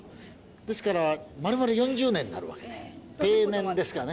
ですから、まるまる４０年になるわけで、定年ですかね。